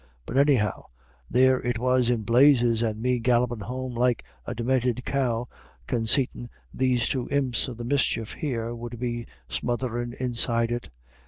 But anyhow, there it was in blazes, and me galloppin' home like a deminted cow, consaitin' these two imps of the mischief here would be smotherin' inside it.